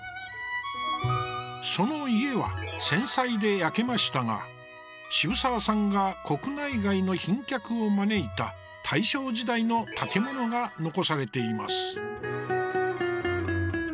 その家は戦災で焼けましたが渋沢さんが国内外の賓客を招いた大正時代の建物が残されています。